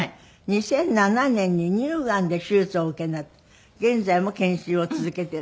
２００７年に乳がんで手術をお受けになって現在も検診を続けている。